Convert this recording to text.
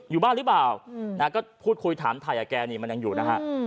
อยู่บ้านหรือเปล่าก็พูดคุยถามไถ่มันยังอยู่นะครับ